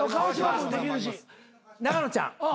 永野ちゃん